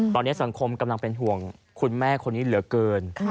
ตอนนี้สังคมกำลังเป็นห่วงคุณแม่คนนี้เหลือเกิน